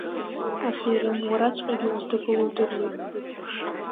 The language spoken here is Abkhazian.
Аферым, уараҵәҟьагьы узҭагылоу удыруеит!